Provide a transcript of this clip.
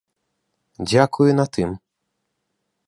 Дзякуй і на тым.